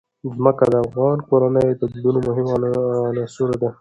ځمکه د افغان کورنیو د دودونو مهم عنصر دی.